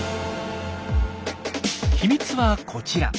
秘密はこちら。